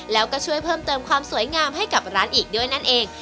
แล้วก็ช่วยเพิ่มเติมความสวยงามให้กับร้านอีกด้วยนั่นเอง